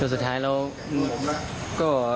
แต่สุดท้ายเราก็